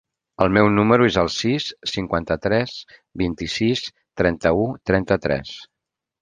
El meu número es el sis, cinquanta-tres, vint-i-sis, trenta-u, trenta-tres.